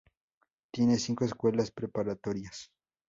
Tiene cinco escuelas preparatorias.